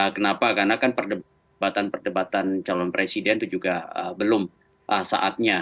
kenapa karena kan perdebatan perdebatan calon presiden itu juga belum saatnya